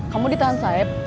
kamu ditahan saip